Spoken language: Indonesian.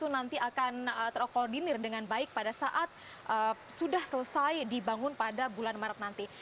nanti akan terkoordinir dengan baik pada saat sudah selesai dibangun pada bulan maret nanti